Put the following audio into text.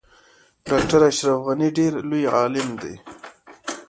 ډاکټر اشرف غنی ډیر لوی عالم دی